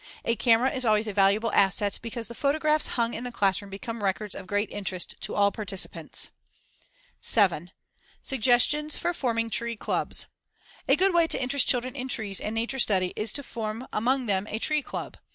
A camera is always a valuable asset because the photographs hung in the classroom become records of great interest to all participants. 7. Suggestions for forming tree clubs: A good way to interest children in trees and nature study is to form, among them, a Tree Club.